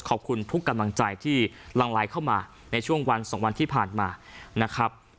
ขอบคุณทุกกำลังใจที่ลังไลน์เข้ามาในช่วงวันสองวันที่ผ่านมานะครับ